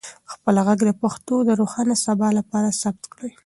خپل ږغ د پښتو د روښانه سبا لپاره ثبت کړئ.